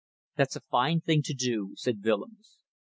"That's a fine thing to do," said Willems.